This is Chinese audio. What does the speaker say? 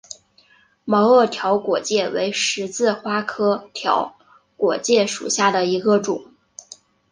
毛萼条果芥为十字花科条果芥属下的一个种。